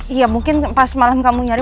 iya mungkin pas malam kamu nyari